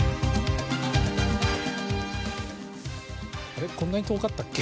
あれこんなに遠かったっけ？